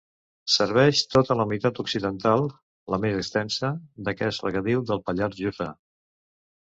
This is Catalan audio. Serveix tota la meitat occidental -la més extensa- d'aquest regadiu del Pallars Jussà.